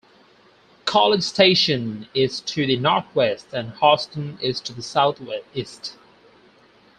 College Station is to the northwest, and Houston is to the southeast.